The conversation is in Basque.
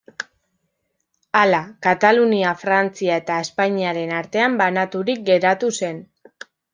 Hala, Katalunia Frantzia eta Espainiaren artean banaturik geratu zen.